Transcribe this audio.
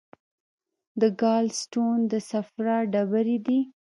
د ګال سټون د صفرا ډبرې دي.